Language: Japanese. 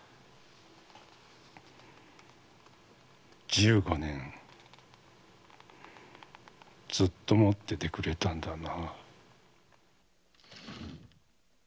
十五年ずっと持っててくれたんだな。